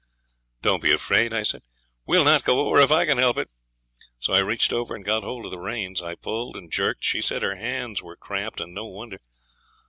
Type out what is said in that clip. '"Don't be afraid," I said. "We'll not go over if I can help it." 'So I reached over and got hold of the reins. I pulled and jerked. She said her hands were cramped, and no wonder.